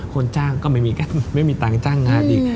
คนจ้างก็ไม่มีกันไม่มีต่างจ้างงานอีก